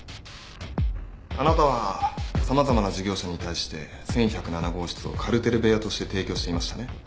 あなたは様々な事業者に対して１１０７号室をカルテル部屋として提供していましたね。